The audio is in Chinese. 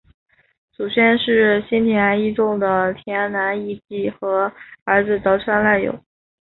祖先是新田义重的四男义季和儿子得川赖有。